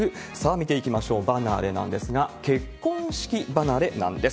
見ていきましょう、離れなんですが、結婚式離れなんです。